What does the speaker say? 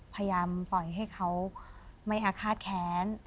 พยายามปล่อยให้เขาไม่อาฆาตแค้น